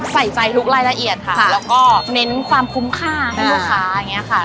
ใส่ใจลูกละเอียดค่ะแล้วก็เน้นความคุ้มค่าให้ลูกค้า